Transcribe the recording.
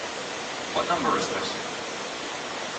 What number is this?